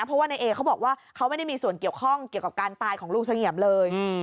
ในนี้ในเอเค้าบอกว่าเค้าไม่ได้มีส่วนเกี่ยวข้องเกี่ยวกับการตายของลูกสังเงียมเลย